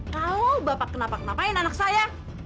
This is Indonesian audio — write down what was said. kalau bapak kenapain anak saya